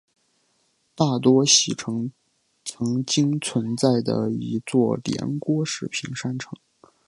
大多喜城曾经存在的一座连郭式平山城。